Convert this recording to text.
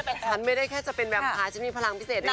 ฉันไม่ได้แค่จะเป็นแบบพาฉันมีพลังพิเศษด้วยนะ